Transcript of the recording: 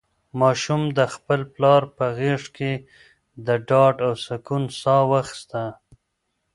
ماشوم د خپل پلار په غېږ کې د ډاډ او سکون ساه واخیسته.